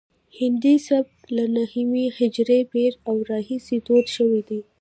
هندي سبک له نهمې هجري پیړۍ راهیسې دود شوی دی